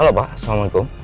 halo pak assalamualaikum